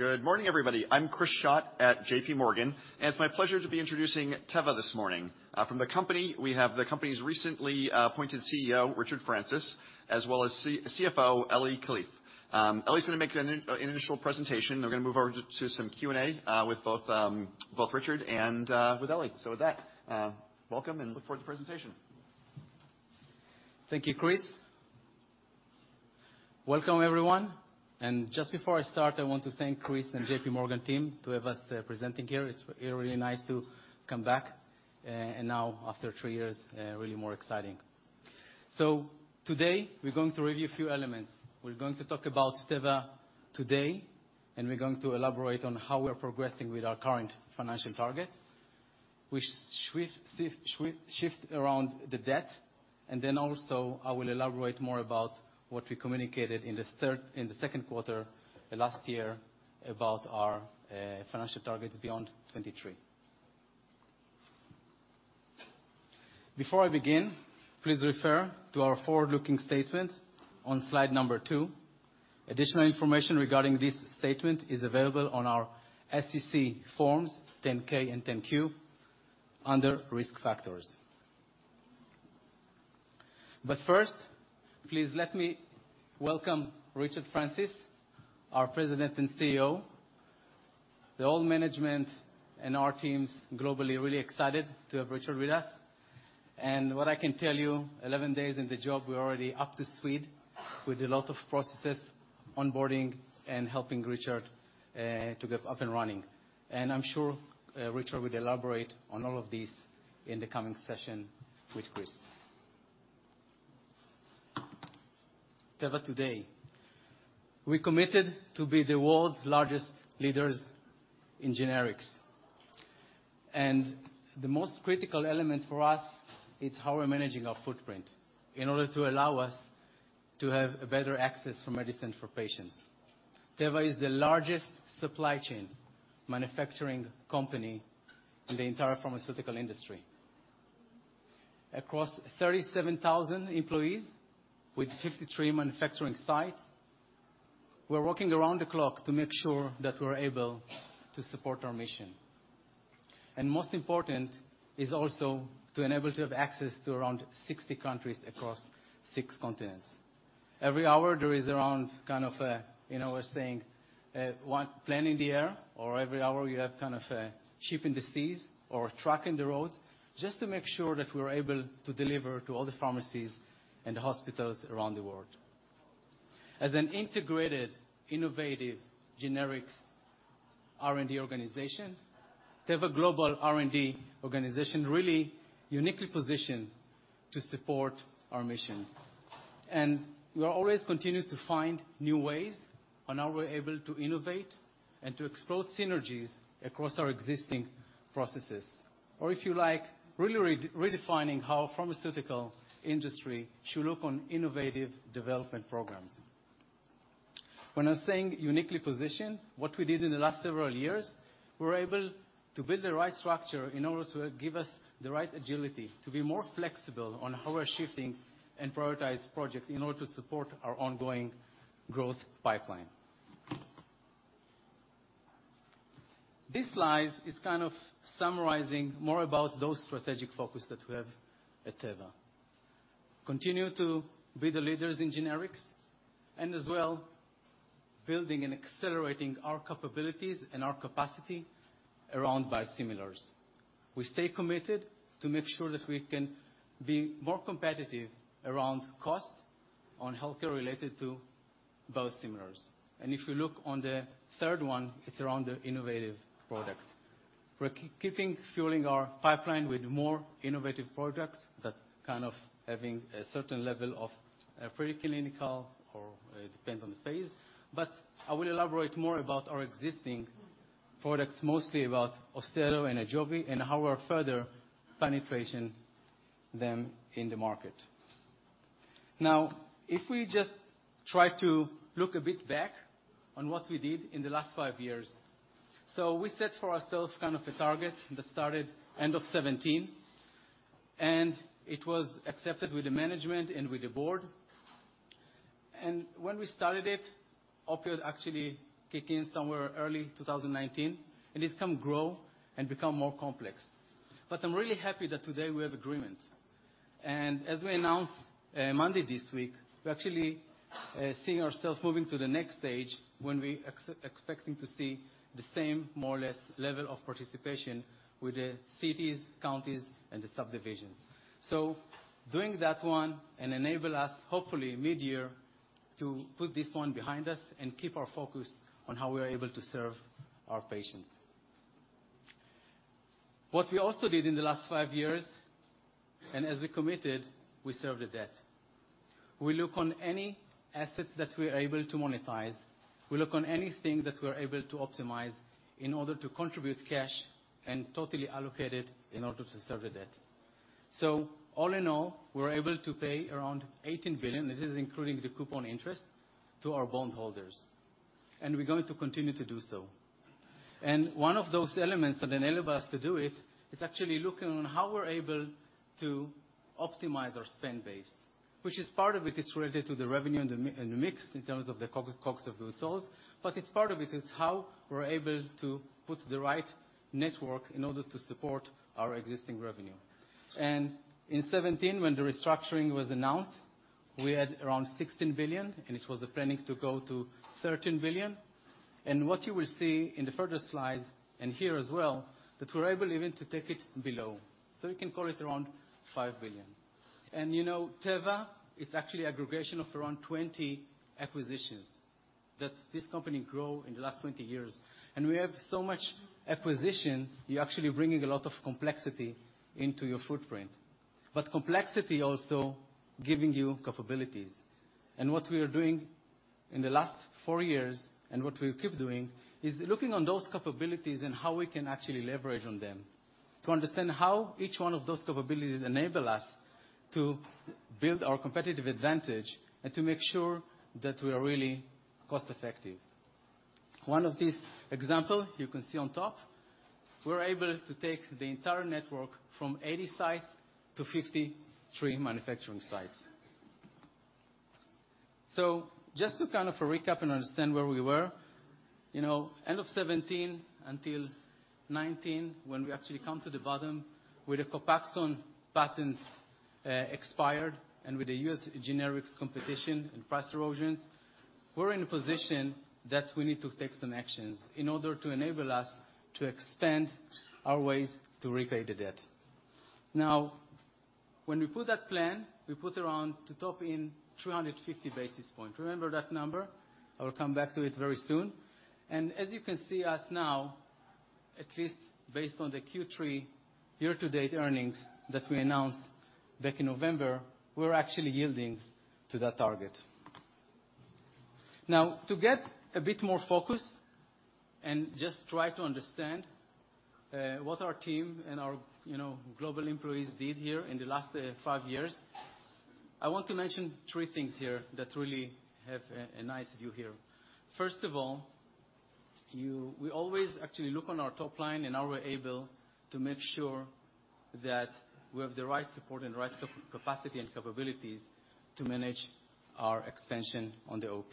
Good morning, everybody. I'm Chris Schott at JPMorgan, and it's my pleasure to be introducing Teva this morning. From the company, we have the company's recently appointed CEO, Richard Francis, as well as CFO Eli Kalif. Eli's gonna make an initial presentation, and we're gonna move over to some Q&A with both Richard and with Eli. With that, welcome and look forward to the presentation. Thank you, Chris. Welcome, everyone. Just before I start, I want to thank Chris and J.P. Morgan team to have us presenting here. It's really nice to come back, now after three years, really more exciting. Today we're going to review a few elements. We're going to talk about Teva today, we're going to elaborate on how we are progressing with our current financial targets, which shift around the debt, I will elaborate more about what we communicated in the second quarter last year about our financial targets beyond 23. Before I begin, please refer to our forward-looking statement on slide number 2. Additional information regarding this statement is available on our SEC forms 10-K and 10-Q under risk factors. First, please let me welcome Richard Francis, our President and CEO. The old management and our teams globally are really excited to have Richard with us. What I can tell you, 11 days in the job, we're already up to speed with a lot of processes, onboarding, and helping Richard to get up and running. I'm sure Richard will elaborate on all of these in the coming session with Chris. Teva today. We're committed to be the world's largest leaders in generics. The most critical element for us is how we're managing our footprint in order to allow us to have a better access for medicine for patients. Teva is the largest supply chain manufacturing company in the entire pharmaceutical industry. Across 37,000 employees with 53 manufacturing sites, we're working around the clock to make sure that we're able to support our mission. Most important is also to enable to have access to around 60 countries across six continents. Every hour, there is around kind of a, you know, a saying, one plane in the air, or every hour you have kind of a ship in the seas or truck in the roads, just to make sure that we're able to deliver to all the pharmacies and hospitals around the world. As an integrated, innovative generics R&D organization, Teva global R&D organization really uniquely positioned to support our mission. We are always continuing to find new ways on how we're able to innovate and to explore synergies across our existing processes. If you like, really re-redefining how pharmaceutical industry should look on innovative development programs. When I'm saying uniquely positioned, what we did in the last several years, we were able to build the right structure in order to give us the right agility to be more flexible on how we're shifting and prioritize projects in order to support our ongoing growth pipeline. This slide is kind of summarizing more about those strategic focus that we have at Teva. Continue to be the leaders in generics and as well building and accelerating our capabilities and our capacity around biosimilars. We stay committed to make sure that we can be more competitive around cost on healthcare related to biosimilars. If you look on the third one, it's around the innovative products. We're keeping fueling our pipeline with more innovative products that kind of having a certain level of preclinical or it depends on the phase. I will elaborate more about our existing products, mostly about Austedo and Ajovy and how we're further penetration them in the market. If we just try to look a bit back on what we did in the last five years. We set for ourselves kind of a target that started end of 2017, and it was accepted with the management and with the board. When we started it, opioid actually kick in somewhere early 2019, and it's come grow and become more complex. I'm really happy that today we have agreement. As we announced Monday this week, we're actually seeing ourselves moving to the next stage when we expecting to see the same, more or less, level of participation with the cities, counties, and the subdivisions. Doing that one and enable us, hopefully midyear, to put this one behind us and keep our focus on how we are able to serve our patients. What we also did in the last five years, and as we committed, we served the debt. We look on any assets that we are able to monetize. We look on anything that we're able to optimize in order to contribute cash and totally allocate it in order to serve the debt. All in all, we're able to pay around $18 billion, this is including the coupon interest, to our bondholders. We're going to continue to do so. One of those elements that enable us to do it is actually looking on how we're able to optimize our spend base, which is part of it's related to the revenue and the mix in terms of the cost of goods sold. It's part of it is how we're able to put the right network in order to support our existing revenue. In 2017, when the restructuring was announced, we had around $16 billion, and it was planning to go to $13 billion. What you will see in the further slides, and here as well, that we're able even to take it below. We can call it around $5 billion. You know, Teva, it's actually aggregation of around 20 acquisitions that this company grow in the last 20 years. We have so much acquisition, you're actually bringing a lot of complexity into your footprint. Complexity also giving you capabilities. What we are doing in the last 4 years, and what we'll keep doing, is looking on those capabilities and how we can actually leverage on them to understand how each one of those capabilities enable us to build our competitive advantage and to make sure that we are really cost-effective. One of these example, you can see on top, we're able to take the entire network from 80 sites to 53 manufacturing sites. Just to kind of a recap and understand where we were, you know, end of 17 until 19, when we actually come to the bottom, with the Copaxone patents, expired and with the US generics competition and price erosions, we're in a position that we need to take some actions in order to enable us to extend our ways to repay the debt. When we put that plan, we put around to top in 350 basis points. Remember that number? I will come back to it very soon. As you can see us now, at least based on the Q3 year-to-date earnings that we announced back in November, we're actually yielding to that target. Now, to get a bit more focused and just try to understand what our team and our, you know, global employees did here in the last 5 years, I want to mention 3 things here that really have a nice view here. First of all, we always actually look on our top line and how we're able to make sure that we have the right support and the right capacity and capabilities to manage our expansion on the OP.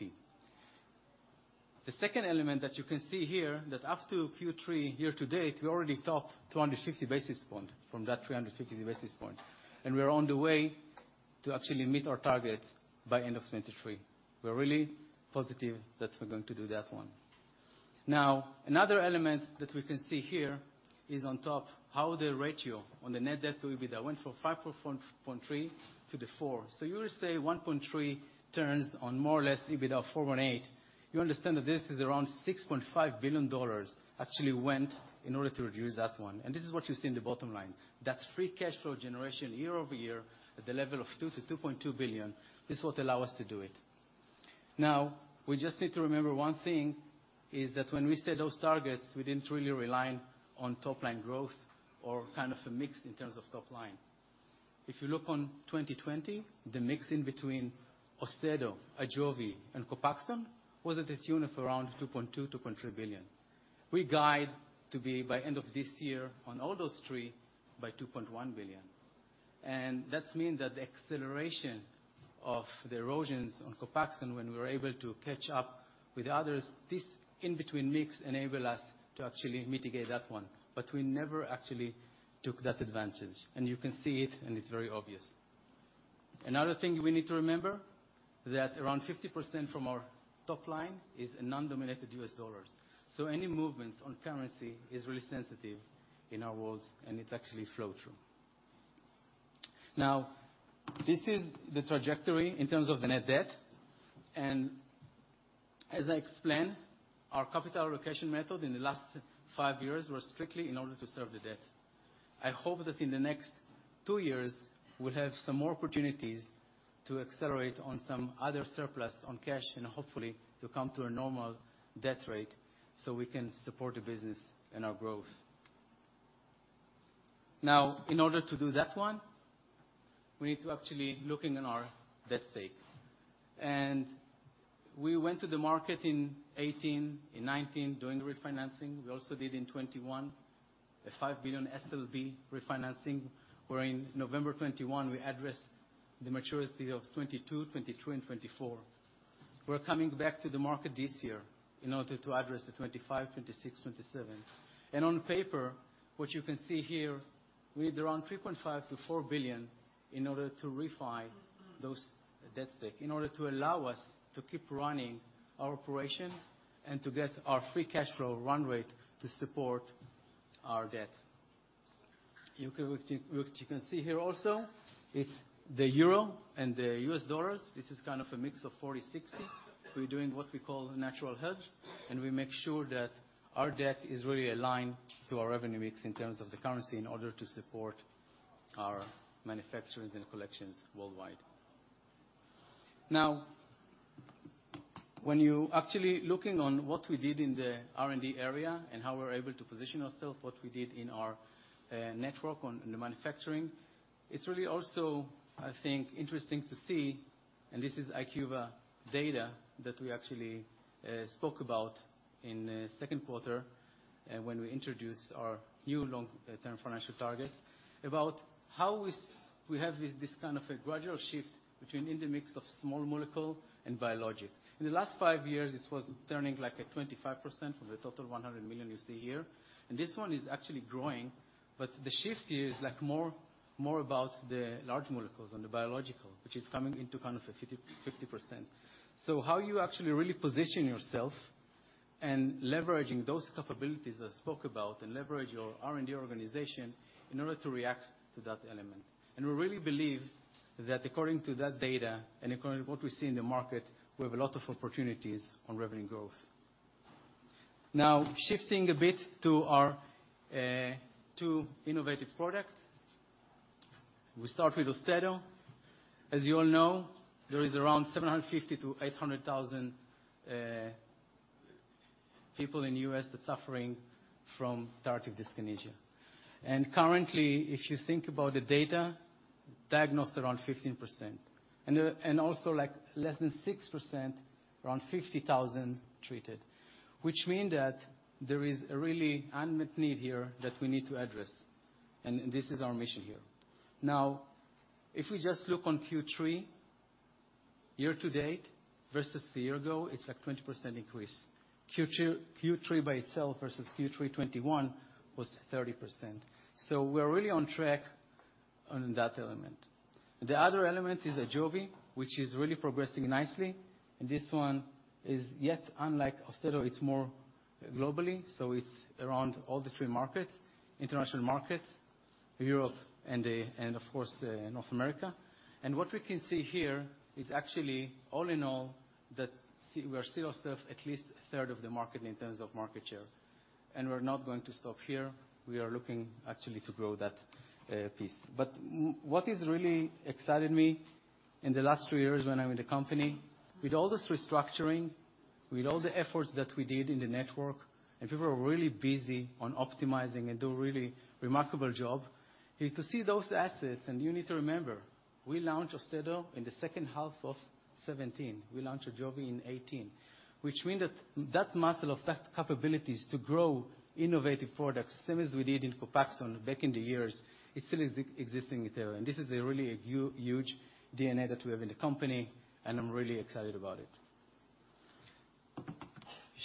The second element that you can see here, that after Q3 year-to-date, we already topped 250 basis points from that 350 basis points, and we're on the way to actually meet our target by end of 2023. We're really positive that we're going to do that one. Another element that we can see here is on top, how the ratio on the net debt to EBITDA went from 5.3 to 4. You will say 1.3 turns on more or less EBITDA of 4.8. You understand that this is around $6.5B actually went in order to reduce that one. This is what you see in the bottom line. That free cash flow generation year-over-year at the level of $2-$2.2B, this is what allow us to do it. We just need to remember one thing is that when we set those targets, we didn't really rely on top-line growth or kind of a mix in terms of top line. If you look on 2020, the mix in between Austedo, Ajovy, and Copaxone was at a tune of around $2.2-$2.3B. We guide to be by end of this year on all those three by $2.1B. That's mean that the acceleration of the erosions on Copaxone, when we were able to catch up with others, this in-between mix enable us to actually mitigate that one. We never actually took that advantage, and you can see it, and it's very obvious. Another thing we need to remember that around 50% from our top line is a non-denominated US dollars. Any movements on currency is really sensitive in our worlds, and it's actually flow-through. This is the trajectory in terms of the net debt. As I explained, our capital allocation method in the last five years were strictly in order to serve the debt. I hope that in the next two years, we'll have some more opportunities to accelerate on some other surplus on cash and hopefully to come to a normal debt rate, so we can support the business and our growth. In order to do that one, we need to actually look in on our debt stakes. We went to the market in 2018, in 2019, doing the refinancing. We also did in 2021, a $5B SLB refinancing, where in November 2021, we addressed the maturities of 2022, 2023, and 2024. We're coming back to the market this year in order to address the 2025, 2026, 2027. On paper, what you can see here, we need around $3.5-$4B in order to refi those debt stake, in order to allow us to keep running our operation and to get our free cash flow run rate to support our debt. You can see here also, it's the euro and the US dollars. This is kind of a mix of 40-60. We're doing what we call a natural hedge, and we make sure that our debt is really aligned to our revenue mix in terms of the currency in order to support our manufacturers and collections worldwide. When you actually looking on what we did in the R&D area and how we're able to position ourself, what we did in our network on the manufacturing, it's really also, I think, interesting to see. This is IQVIA data that we actually spoke about in second quarter when we introduced our new long-term financial targets about how we have this kind of a gradual shift between in the mix of small molecule and biologic. In the last 5 years, this was turning like a 25% from the total 100 million you see here. This one is actually growing, but the shift here is like more about the large molecules on the biological, which is coming into kind of a 50/50%. How you actually really position yourself and leveraging those capabilities I spoke about, and leverage your R&D organization in order to react to that element. We really believe that according to that data and according to what we see in the market, we have a lot of opportunities on revenue growth. Now, shifting a bit to our two innovative products. We start with Austedo. As you all know, there is around 750,000-800,000 people in the US that's suffering from tardive dyskinesia. Currently, if you think about the data, diagnosed around 15%. Also like less than 6%, around 50,000 treated. Which mean that there is a really unmet need here that we need to address, and this is our mission here. If we just look on Q3 year-to-date versus a year ago, it's like 20% increase. Q3 by itself versus Q3 2021 was 30%. We're really on track on that element. The other element is Ajovy, which is really progressing nicely. This one is yet, unlike Austedo, it's more globally. It's around all the 3 markets, international markets, Europe and of course, North America. What we can see here is actually all in all that we are still serve at least a third of the market in terms of market share. We're not going to stop here. We are looking actually to grow that piece. What is really excited me in the last two years when I'm in the company, with all this restructuring, with all the efforts that we did in the network, People are really busy on optimizing and do really remarkable job, is to see those assets. You need to remember, we launched Austedo in the second half of 2017. We launched Ajovy in 2018, which mean that muscle of that capabilities to grow innovative products, same as we did in Copaxone back in the years, it still existing Teva. This is a really huge DNA that we have in the company, and I'm really excited about it.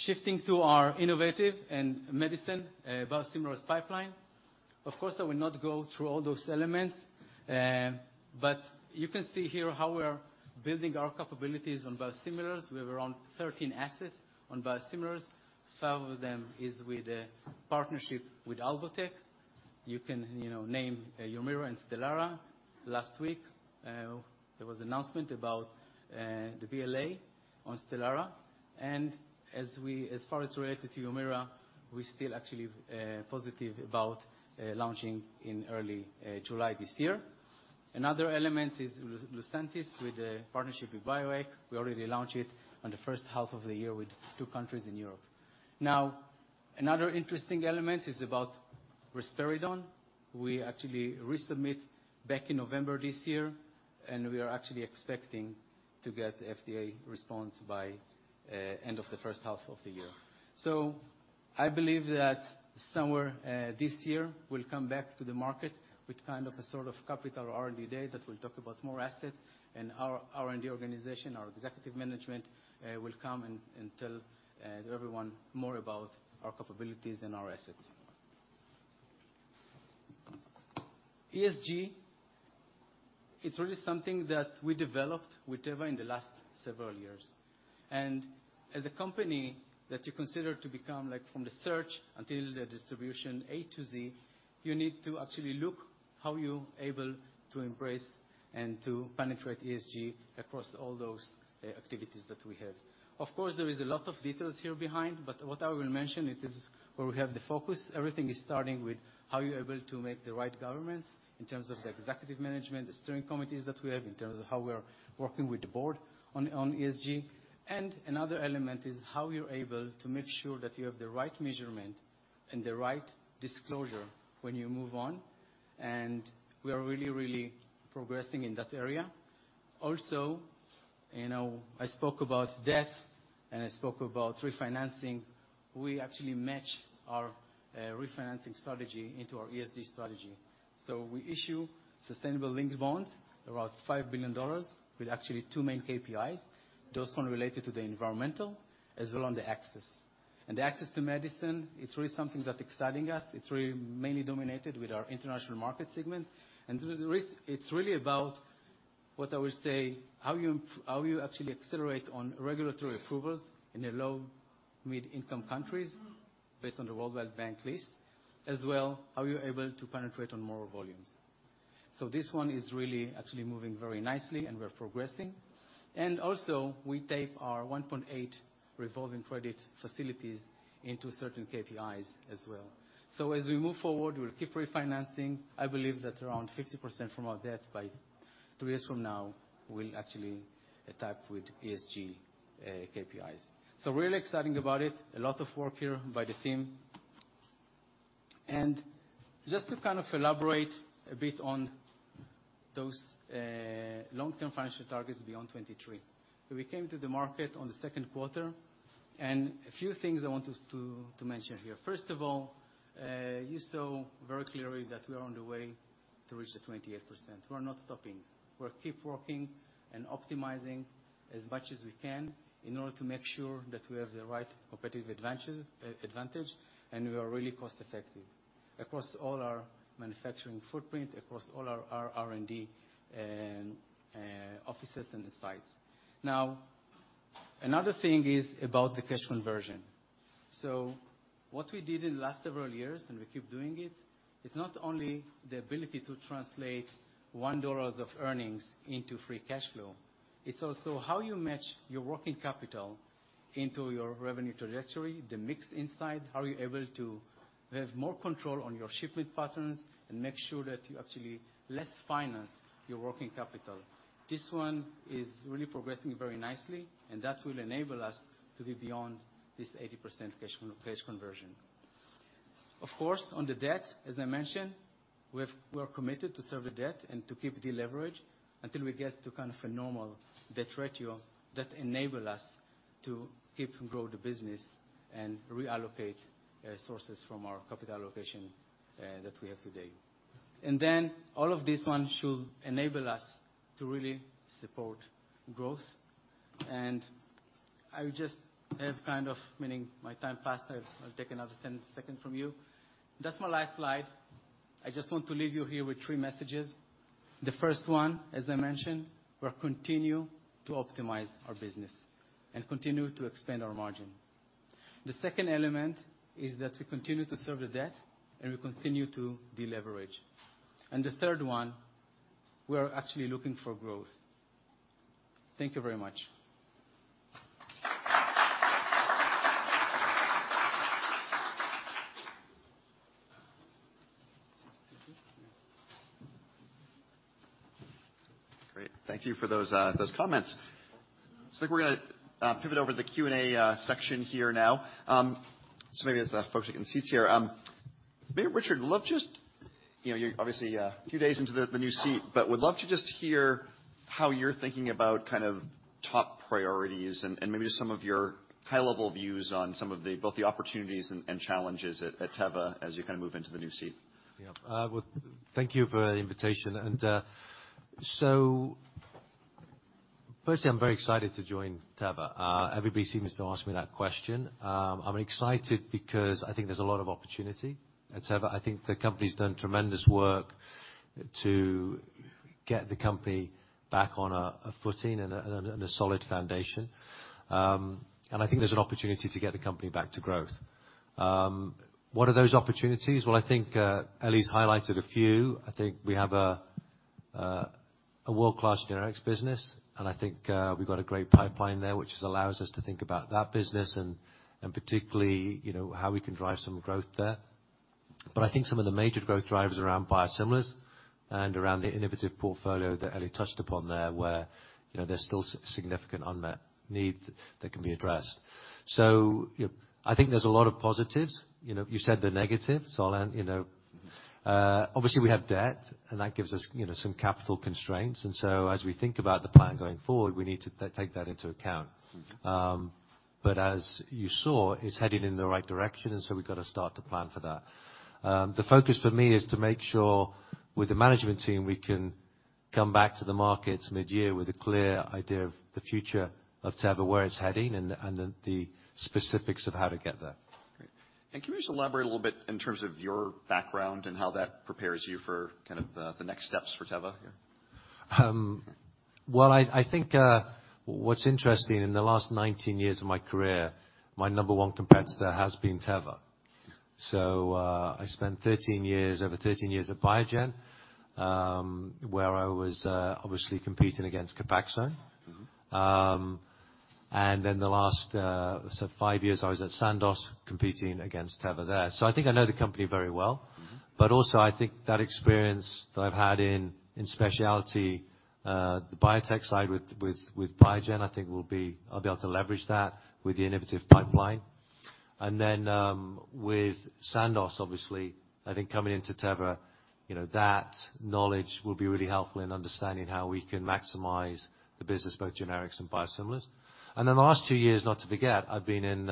Shifting to our innovative and medicine, biosimilars pipeline. Of course, I will not go through all those elements. You can see here how we're building our capabilities on biosimilars. We have around 13 assets on biosimilars. 5 of them is with a partnership with Alvotech. You can, you know, name Humira and Stelara. Last week, there was announcement about the BLA on Stelara. As we, as far as related to Humira, we're still actually positive about launching in early July this year. Another element is Lucentis with a partnership with Bioeq AG. We already launched it on the first half of the year with 2 countries in Europe. Now, another interesting element is about risperidone. We actually resubmit back in November this year, we are actually expecting to get FDA response by end of the first half of the year. I believe that somewhere this year we'll come back to the market with kind of a sort of capital R&D day that we'll talk about more assets and our R&D organization, our executive management will come and tell everyone more about our capabilities and our assets. ESG, it's really something that we developed with Teva in the last several years. As a company that you consider to become like from the search until the distribution A to Z, you need to actually look how you're able to embrace and to penetrate ESG across all those activities that we have. Of course, there is a lot of details here behind, but what I will mention it is where we have the focus. Everything is starting with how you're able to make the right governance in terms of the executive management, the steering committees that we have, in terms of how we're working with the board on ESG. Another element is how you're able to make sure that you have the right measurement and the right disclosure when you move on. We are really progressing in that area. Also, you know, I spoke about debt and I spoke about refinancing. We actually match our refinancing strategy into our ESG strategy. We issue sustainability-linked bonds, about $5 billion with actually two main KPIs. Those one related to the environmental as well on the access. The access to medicine, it's really something that exciting us. It's really mainly dominated with our international market segment. The risk, it's really about what I will say, how you actually accelerate on regulatory approvals in a low-, mid-income countries based on the World Bank list. As well, how you're able to penetrate on more volumes. This one is really actually moving very nicely and we're progressing. Also we tape our 1.8 revolving credit facilities into certain KPIs as well. As we move forward, we'll keep refinancing. I believe that around 50% from our debt by 3 years from now will actually type with ESG KPIs. Really exciting about it. A lot of work here by the team. Just to kind of elaborate a bit on those long-term financial targets beyond '23. We came to the market on the 2Q, and a few things I wanted to mention here. First of all, you saw very clearly that we are on the way to reach the 28%. We're not stopping. We'll keep working and optimizing as much as we can in order to make sure that we have the right competitive advantages, advantage, and we are really cost effective across all our manufacturing footprint, across all our R&D offices and the sites. Another thing is about the cash conversion. What we did in the last several years, and we keep doing it's not only the ability to translate $1 of earnings into free cash flow, it's also how you match your working capital into your revenue trajectory, the mix inside, how you're able to have more control on your shipment patterns and make sure that you actually less finance your working capital. This one is really progressing very nicely, that will enable us to be beyond this 80% cash conversion. Of course, on the debt, as I mentioned, we're committed to serve the debt and to keep the leverage until we get to kind of a normal debt ratio that enable us to keep and grow the business and reallocate sources from our capital allocation that we have today. All of these ones should enable us to really support growth. I just have kind of... Meaning my time passed, I've taken another 10 seconds from you. That's my last slide. I just want to leave you here with three messages. The first one, as I mentioned, we continue to optimize our business and continue to expand our margin. The second element is that we continue to serve the debt, and we continue to deleverage. The third one, we are actually looking for growth. Thank you very much. Great. Thank you for those comments. I think we're gonna pivot over to the Q&A section here now. Maybe it's the folks who can see it here. Maybe Richard, I'd love just, you know, you're obviously a few days into the new seat, but would love to just hear how you're thinking about kind of top priorities and maybe some of your high-level views on some of the, both the opportunities and challenges at Teva as you kind of move into the new seat. Well, thank you for the invitation. Firstly, I'm very excited to join Teva. Everybody seems to ask me that question. I'm excited because I think there's a lot of opportunity at Teva. I think the company's done tremendous work to get the company back on a footing and a solid foundation. And I think there's an opportunity to get the company back to growth. What are those opportunities? Well, I think Eli's highlighted a few. I think we have a world-class generics business, and I think we've got a great pipeline there, which allows us to think about that business and, particularly, you know, how we can drive some growth there. I think some of the major growth drivers around biosimilars and around the innovative portfolio that Eli touched upon there, where, you know, there's still significant unmet need that can be addressed. You know, I think there's a lot of positives. You know, you said they're negatives. I'll end, you know, obviously we have debt and that gives us, you know, some capital constraints. As we think about the plan going forward, we need to take that into account. But as you saw, it's headed in the right direction, we've got to start to plan for that. The focus for me is to make sure with the management team, we can come back to the market mid-year with a clear idea of the future of Teva, where it's heading and the specifics of how to get there. Great. Can you just elaborate a little bit in terms of your background and how that prepares you for kind of the next steps for Teva here? Well, I think, what's interesting in the last 19 years of my career, my number one competitor has been Teva. I spent 13 years, over 13 years at Biogen, where I was, obviously competing against Copaxone. Mm-hmm. The last, so 5 years I was at Sandoz competing against Teva there. I think I know the company very well. Mm-hmm. Also I think that experience that I've had in specialty, the biotech side with Biogen, I think I'll be able to leverage that with the innovative pipeline. Then with Sandoz, obviously, I think coming into Teva, you know, that knowledge will be really helpful in understanding how we can maximize the business, both generics and biosimilars. Then the last two years, not to forget, I've been in,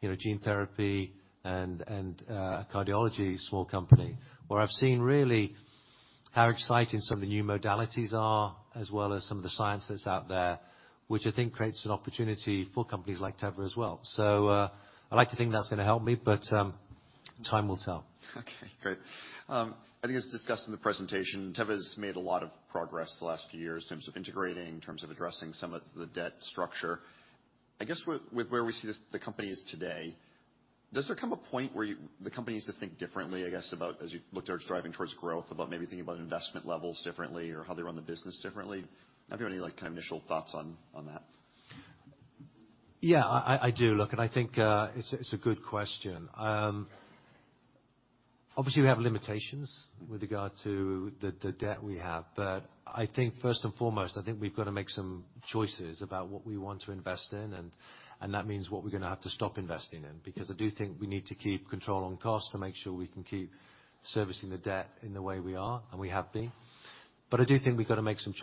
you know, gene therapy and cardiology small company, where I've seen really how exciting some of the new modalities are, as well as some of the science that's out there, which I think creates an opportunity for companies like Teva as well. I like to think that's gonna help me, but time will tell. Okay, great. I think it's discussed in the presentation, Teva's made a lot of progress the last few years in terms of integrating, in terms of addressing some of the debt structure. I guess with where we see the company is today, does there come a point where the company needs to think differently, I guess, about as you look towards driving towards growth, about maybe thinking about investment levels differently or how they run the business differently? Have you any, like, kind of initial thoughts on that? Yeah, I do. Look, I think it's a good question. Obviously we have limitations with regard to the debt we have. I think first and foremost, I think we've got to make some choices about what we want to invest in and that means what we're gonna have to stop investing in. Because I do think we need to keep control on costs to make sure we can keep servicing the debt in the way we are and we have been. But I do think we've got to make some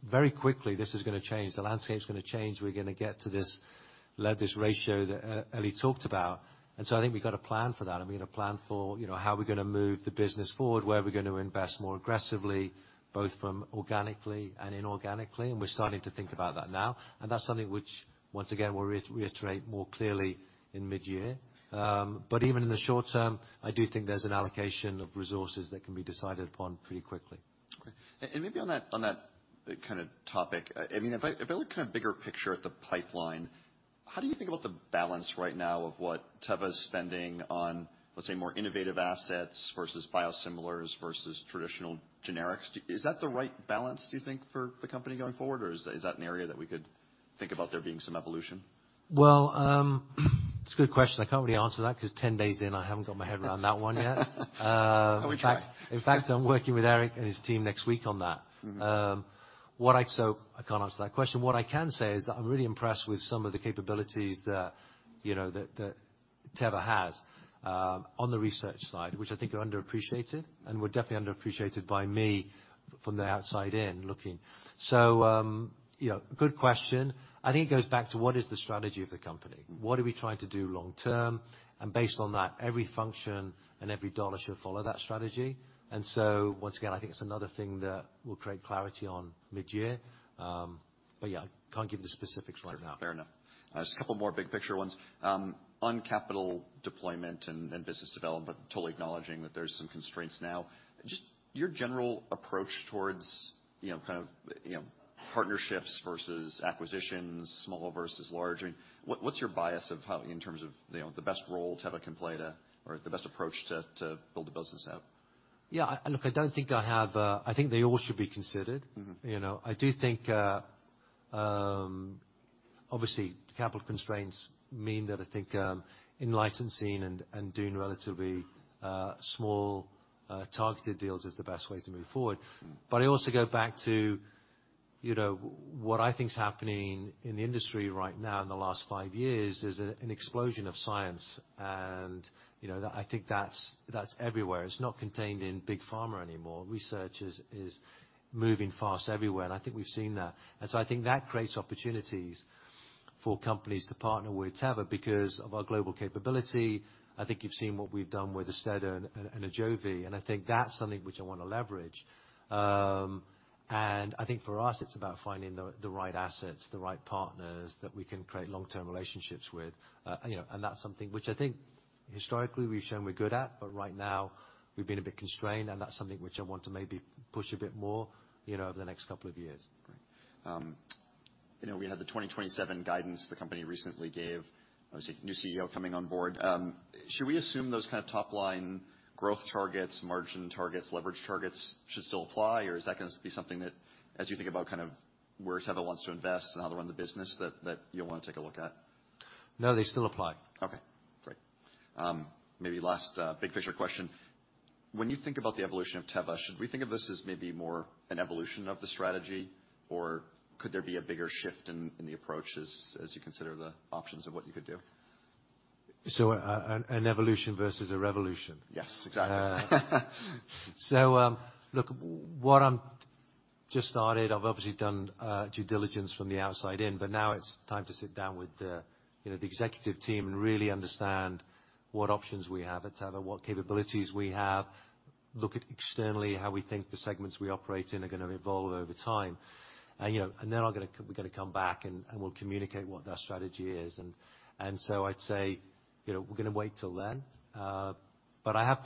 choices. Very quickly, this is gonna change. The landscape's gonna change. We're gonna get to this ratio that Eli talked about. I think we've got to plan for that and we're gonna plan for, you know, how we're gonna move the business forward, where we're gonna invest more aggressively, both from organically and inorganically, and we're starting to think about that now. That's something which, once again, we'll reiterate more clearly in mid-year. Even in the short term, I do think there's an allocation of resources that can be decided upon pretty quickly. Great. Maybe on that kind of topic, I mean, if I look kind of bigger picture at the pipeline, how do you think about the balance right now of what Teva's spending on, let's say, more innovative assets versus biosimilars versus traditional generics? Is that the right balance, do you think, for the company going forward, or is that an area that we could think about there being some evolution? Well, it's a good question. I can't really answer that because 10 days in, I haven't got my head around that one yet. I'll be back. In fact, I'm working with Eric and his team next week on that. Mm-hmm. I can't answer that question. What I can say is that I'm really impressed with some of the capabilities that Teva has on the research side, which I think are underappreciated and were definitely underappreciated by me from the outside in looking. Good question. I think it goes back to what is the strategy of the company? What are we trying to do long term? Based on that, every function and every dollar should follow that strategy. Once again, I think it's another thing that we'll create clarity on mid-year. Yeah, can't give you the specifics right now. Fair enough. Just a couple more big picture ones. On capital deployment and business development, totally acknowledging that there's some constraints now. Just your general approach towards, you know, kind of, you know, partnerships versus acquisitions, small versus large. I mean, what's your bias in terms of, you know, the best role Teva can play or the best approach to build the business out? Yeah, look, I don't think I have a... I think they all should be considered. Mm-hmm. You know? I do think, obviously, capital constraints mean that I think, in licensing and doing relatively, small, targeted deals is the best way to move forward. Mm-hmm. I also go back to, you know, what I think is happening in the industry right now in the last 5 years is an explosion of science. You know, I think that's everywhere. It's not contained in big pharma anymore. Research is moving fast everywhere, and I think we've seen that. I think that creates opportunities for companies to partner with Teva because of our global capability. I think you've seen what we've done with Astellas and Ajovy, and I think that's something which I wanna leverage. I think for us, it's about finding the right assets, the right partners that we can create long-term relationships with. You know, that's something which I think historically we've shown we're good at, but right now we've been a bit constrained, and that's something which I want to maybe push a bit more, you know, over the next couple of years. Great. you know, we had the 2027 guidance the company recently gave. Obviously, a new CEO coming on board. Should we assume those kind of top-line growth targets, margin targets, leverage targets should still apply, or is that gonna be something that, as you think about kind of where Teva wants to invest and how to run the business, that you'll want to take a look at? No, they still apply. Okay, great. Maybe last, big picture question. When you think about the evolution of Teva, should we think of this as maybe more an evolution of the strategy, or could there be a bigger shift in the approach as you consider the options of what you could do? An evolution versus a revolution? Yes, exactly. Look, what I'm just started, I've obviously done due diligence from the outside in, but now it's time to sit down with the, you know, the executive team and really understand what options we have at Teva, what capabilities we have, look at externally how we think the segments we operate in are gonna evolve over time. You know, then we're gonna come back and we'll communicate what that strategy is. I'd say, you know, we're gonna wait till then. But I have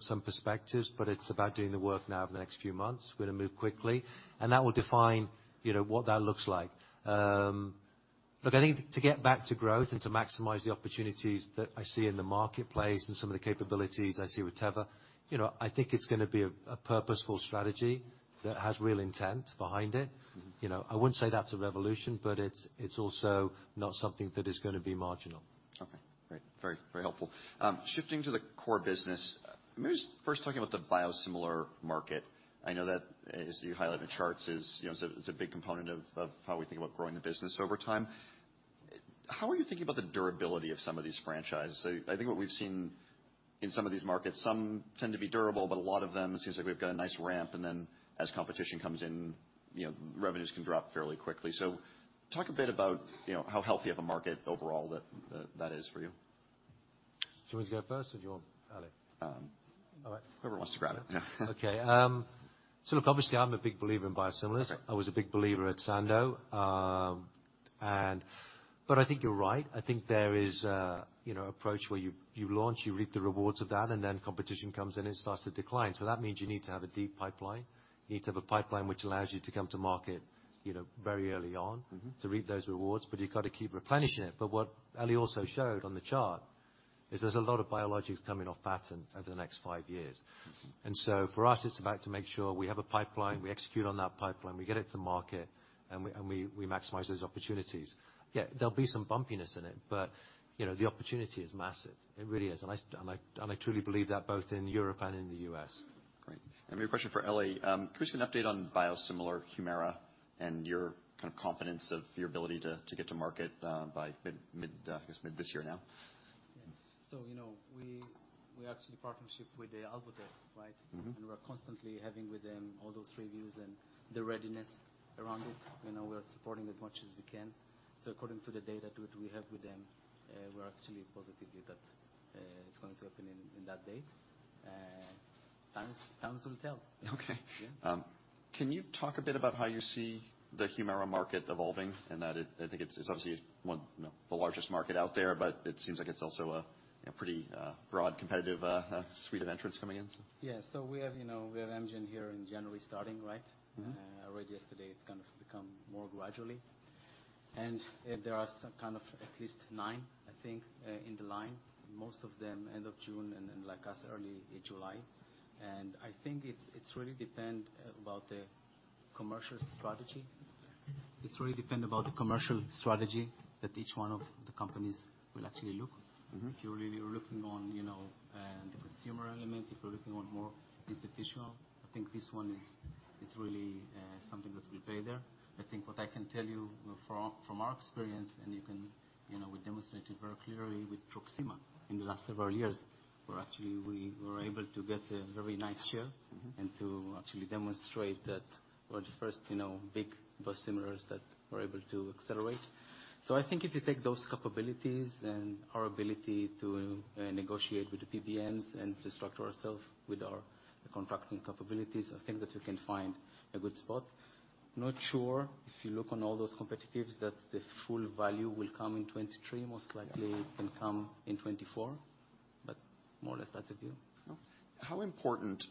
some perspectives, but it's about doing the work now over the next few months. We're gonna move quickly, and that will define, you know, what that looks like. Look, I think to get back to growth and to maximize the opportunities that I see in the marketplace and some of the capabilities I see with Teva, you know, I think it's gonna be a purposeful strategy that has real intent behind it. Mm-hmm. You know, I wouldn't say that's a revolution, but it's also not something that is gonna be marginal. Okay, great. Very, very helpful. Shifting to the core business, maybe just first talking about the biosimilar market. I know that, as you highlight in the charts, is, you know, is a, it's a big component of how we think about growing the business over time. How are you thinking about the durability of some of these franchises? I think what we've seen in some of these markets, some tend to be durable, but a lot of them, it seems like we've got a nice ramp, and then as competition comes in, you know, revenues can drop fairly quickly. Talk a bit about, you know, how healthy of a market overall that that is for you. Do you want me to go first or do you want Eli? Whoever wants to grab it. Okay. look, obviously, I'm a big believer in biosimilars. Okay. I was a big believer at Sandoz. I think you're right. I think there is a, you know, approach where you launch, you reap the rewards of that, and then competition comes in, it starts to decline. That means you need to have a deep pipeline. You need to have a pipeline which allows you to come to market, you know, very early on- Mm-hmm ...to reap those rewards, but you've got to keep replenishing it. What Eli also showed on the chart is there's a lot of biologics coming off patent over the next 5 years. Mm-hmm. For us, it's about to make sure we have a pipeline, we execute on that pipeline, we get it to market, and we maximize those opportunities. There'll be some bumpiness in it, but, you know, the opportunity is massive. It really is. I truly believe that both in Europe and in the US. Great. Maybe a question for Eli. Can we just get an update on biosimilar Humira and your kind of confidence of your ability to get to market, by mid, I guess mid this year now? you know, we actually partnership with the Alvotech, right? Mm-hmm. We're constantly having with them all those reviews and the readiness around it. You know, we are supporting as much as we can. According to the data that we have with them, we're actually positively that it's going to open in that date. Times will tell. Okay. Yeah. Can you talk a bit about how you see the Humira market evolving, in that I think it's obviously one, you know, the largest market out there, but it seems like it's also a pretty, broad competitive, suite of entrants coming in, so? Yeah. We have, you know, we have Amgen here in January starting, right? Mm-hmm. Already yesterday, it's kind of become more gradually. There are some kind of at least 9, I think, in the line. Most of them end of June and then, like us, early July. I think it's really depend about the commercial strategy that each one of the companies will actually look. Mm-hmm. If you're really looking on, you know, the consumer element, if you're looking on more institutional, I think this one is really something that will play there. I think what I can tell you from our experience, and you can, you know, we demonstrate it very clearly with TREANDA in the last several years. Where actually we were able to get a very nice share. Mm-hmm. To actually demonstrate that we're the first, you know, big biosimilars that were able to accelerate. I think if you take those capabilities and our ability to negotiate with the PBMs and to structure ourselves with our contracting capabilities, I think that we can find a good spot. Not sure if you look on all those competitives that the full value will come in 2023, most likely it can come in 2024, but more or less that's the view. How important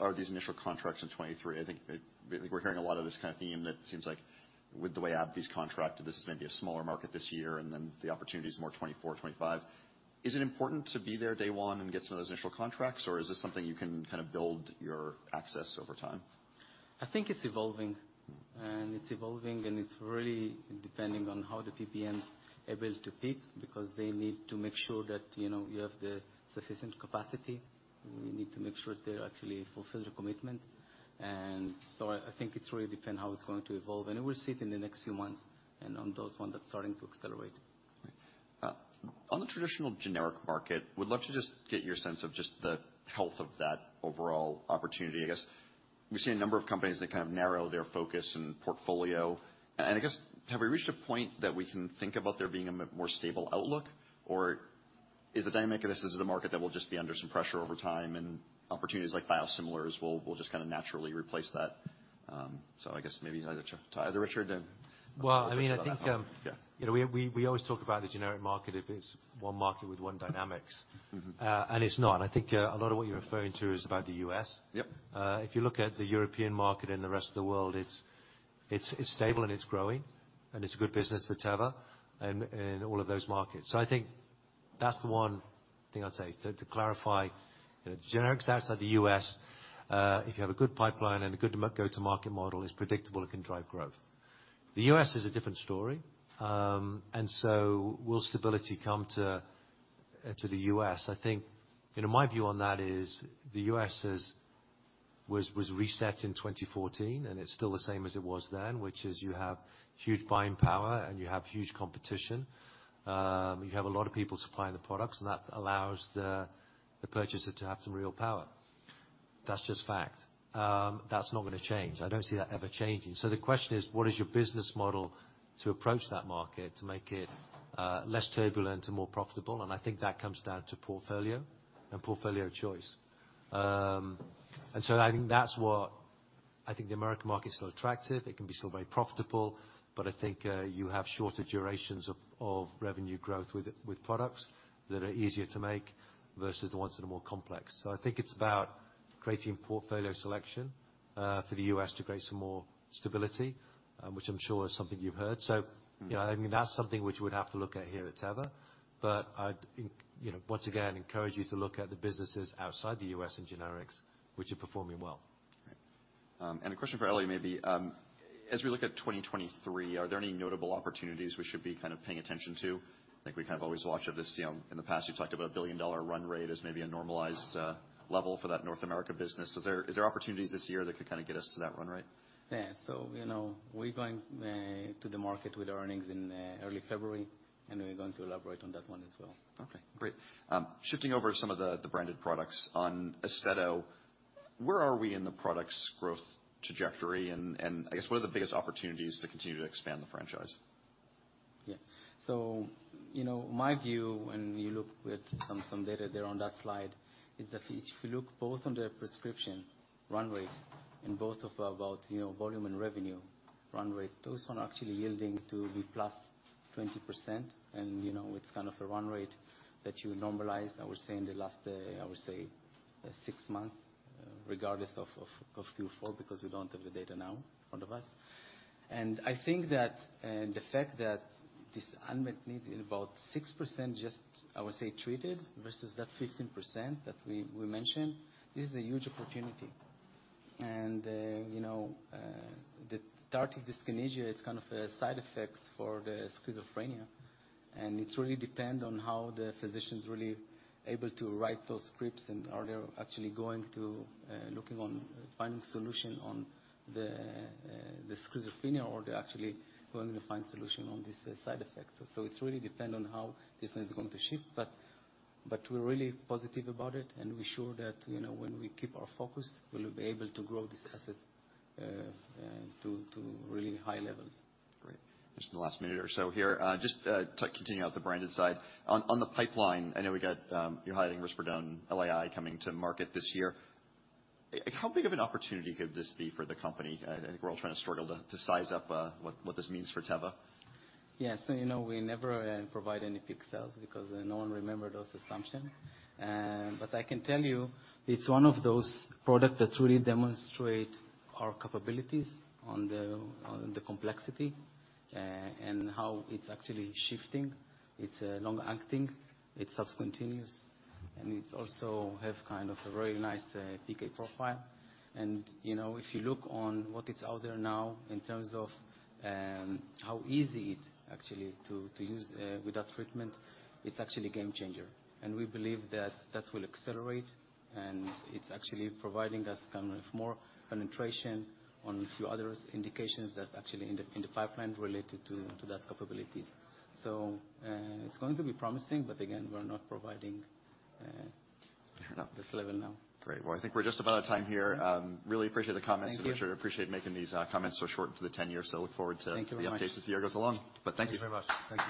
are these initial contracts in 23? I think we're hearing a lot of this kind of theme that seems like with the way AbbVie's contracted, this is maybe a smaller market this year, and then the opportunity is more 24, 25. Is it important to be there day 1 and get some of those initial contracts, or is this something you can kind of build your access over time? I think it's evolving. It's evolving, and it's really depending on how the PBMs are able to peak, because they need to make sure that, you know, you have the sufficient capacity. We need to make sure they actually fulfill the commitment. I think it really depend how it's going to evolve, and we'll see it in the next few months and on those one that's starting to accelerate. Right. On the traditional generic market, would love to just get your sense of just the health of that overall opportunity. I guess we've seen a number of companies that kind of narrow their focus and portfolio. I guess, have we reached a point that we can think about there being a more stable outlook? Or is the dynamic of this is the market that will just be under some pressure over time and opportunities like biosimilars will just kind of naturally replace that? I guess maybe either to either Richard then. Well, I mean, I think, you know, we always talk about the generic market if it's one market with one dynamics. Mm-hmm. It's not. I think, a lot of what you're referring to is about the US Yep. If you look at the European market and the rest of the world, it's stable and it's growing, and it's a good business for Teva in all of those markets. I think that's the one thing I'd say. To clarify, generics outside the US, if you have a good pipeline and a good go-to-market model, it's predictable, it can drive growth. The US is a different story. Will stability come to the US? I think, you know, my view on that is the US is, was reset in 2014, and it's still the same as it was then, which is you have huge buying power and you have huge competition. You have a lot of people supplying the products, and that allows the purchaser to have some real power. That's just fact. That's not gonna change. I don't see that ever changing. The question is, what is your business model to approach that market to make it less turbulent and more profitable? I think that comes down to portfolio and portfolio choice. I think the American market is still attractive. It can be still very profitable, but I think you have shorter durations of revenue growth with products that are easier to make versus the ones that are more complex. I think it's about creating portfolio selection for the US to create some more stability, which I'm sure is something you've heard. You know, I mean, that's something which we'd have to look at here at Teva. I'd, you know, once again, encourage you to look at the businesses outside the US in generics which are performing well. Right. A question for Eli maybe. As we look at 2023, are there any notable opportunities we should be kind of paying attention to? I think we kind of always watch of this, you know, in the past, you've talked about a billion-dollar run rate as maybe a normalized level for that North America business. Is there opportunities this year that could kind of get us to that run rate? Yeah. you know, we're going to the market with earnings in early February, and we're going to elaborate on that one as well. Okay, great. shifting over to some of the branded products. On Austedo, where are we in the product's growth trajectory? I guess what are the biggest opportunities to continue to expand the franchise? You know, my view when you look with some data there on that slide is that if you look both on the prescription run rate and both of about, you know, volume and revenue run rate, those one are actually yielding to be +20%. You know, it's kind of a run rate that you normalize, I would say, in the last, I would say 6 months, regardless of Q4 because we don't have the data now in front of us. I think that, the fact that this unmet need is about 6% just, I would say, treated versus that 15% that we mentioned, this is a huge opportunity. You know, the tardive dyskinesia, it's kind of a side effect for the schizophrenia, and it really depend on how the physician's really able to write those scripts and are they actually going to looking on finding solution on the schizophrenia or they're actually going to find solution on this side effect. It's really depend on how this is going to shift. We're really positive about it, and we're sure that, you know, when we keep our focus, we'll be able to grow this asset to really high levels. Great. Just in the last minute or so here, just to continue out the branded side. On the pipeline, I know we got, you're highlighting risperidone LAI coming to market this year. How big of an opportunity could this be for the company? I think we're all trying to struggle to size up what this means for Teva. Yes. You know we never provide any peak sales because no one remember those assumption. I can tell you it's one of those product that really demonstrate our capabilities on the complexity, and how it's actually shifting. It's long-acting, it's subcutaneous, and it also have kind of a very nice PK profile. You know, if you look on what is out there now in terms of how easy it actually to use, without treatment, it's actually game changer. We believe that that will accelerate, and it's actually providing us kind of more penetration on a few other indications that actually in the pipeline related to that capabilities. It's going to be promising, but again, we're not providing this level now. Great. Well, I think we're just about out of time here. really appreciate the comments. Thank you. Richard. Appreciate making these comments so short for the 10 years. look forward to... Thank you very much. the updates as the year goes along. Thank you. Thank you very much. Thank you.